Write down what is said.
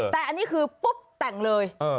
แต่อันนี้คือปุ๊บแต่งเลย